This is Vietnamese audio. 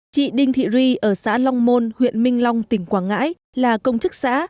chị đinh thị ri ở xã long môn huyện minh long tỉnh quảng ngãi là công chức xã